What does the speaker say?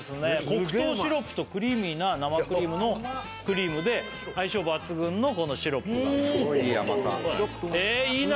黒糖シロップとクリーミーな生クリームのクリームで相性抜群のこのシロップすごいいい甘さえいい